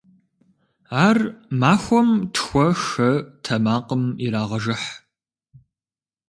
Ар махуэм тхуэ-хэ тэмакъым ирагъэжыхь.